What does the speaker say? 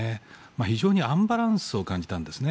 非常にアンバランスを感じたんですね。